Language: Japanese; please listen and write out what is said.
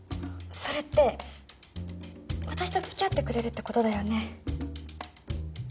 それって私と付き合ってくれるって事だよね？